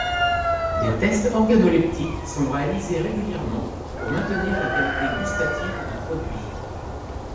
Des tests organoleptiques sont réalisés régulièrement pour maintenir la qualité gustative du produit.